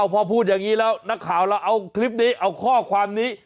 พอพูดอย่างนี้แล้วนักข่าวเราเอาคลิปนี้เอาข้อความนี้